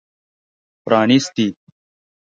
پرانیستي